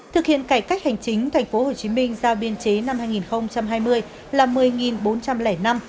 thực hiện cải cách hành chính thành phố hồ chí minh giao biên chế năm hai nghìn hai mươi là một mươi bốn trăm linh năm